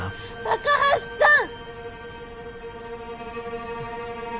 高橋さん！